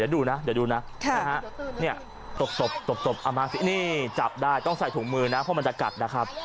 เดี๋ยวดูนะตบเอามาสิจับได้ต้องใส่ถุงมือนะเพราะมันจะกัดนะครับ